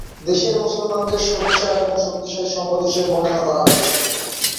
দেশের মুসলমানদের "সোচ্চার এবং শক্তিশালী সম্প্রদায়" হিসেবে বর্ণনা করা হয়েছে।